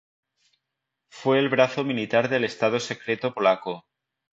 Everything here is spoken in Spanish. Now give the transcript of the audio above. Fue el brazo militar del Estado Secreto Polaco.